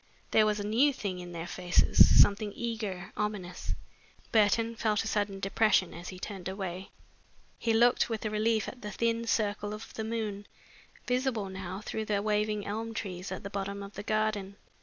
There was a new thing in their faces, something eager, ominous. Burton felt a sudden depression as he turned away. He looked with relief at the thin circle of the moon, visible now through the waving elm trees at the bottom of the garden.